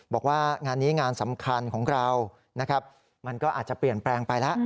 บอกว่างานนี้งานสำคัญของเรานะครับมันก็อาจจะเปลี่ยนแปลงไปแล้ว